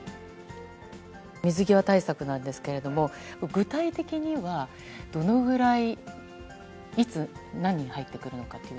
水際対策なんですけれども、具体的にはどのぐらい、いつ、何人入ってくるのかという。